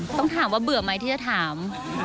ต้องถามว่าเบื่อไหมที่จะถาม